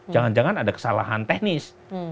jangan jangan ada kesalahan teknis